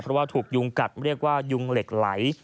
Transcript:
เพราะว่าถูกยุงกัดเรียกว่ายุงเหล็กไหล